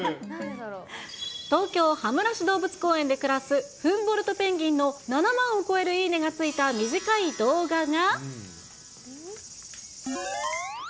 東京・羽村市動物公園で暮らす、フンボルトペンギンの７万を超えるいいねがついた短い動画が。